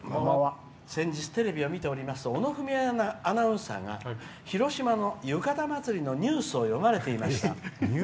先日テレビを見ておりますと小野文恵アナウンサーが広島の浴衣祭りのニュースを読まれていました。